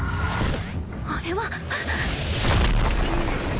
あれは！